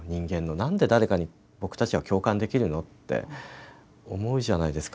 何で誰かに僕たちは共感できるのって思うじゃないですか。